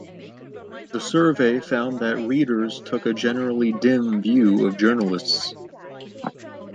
The survey found that readers took a generally dim view of journalists.